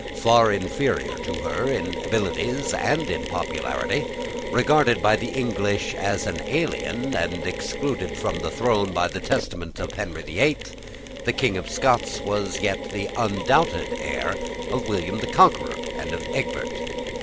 Far inferior to her in abilities and in popularity, regarded by the English as an alien, and excluded from the throne by the testament of Henry the Eighth, the King of Scots was yet the undoubted heir of William the Conqueror and of Egbert.